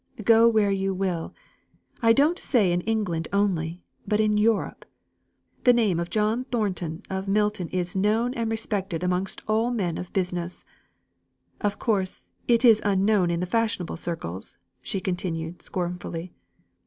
Go where you will I don't say in England only, but in Europe the name of John Thornton of Milton is known and respected amongst all men of business. Of course, it is unknown in the fashionable circles," she continued scornfully.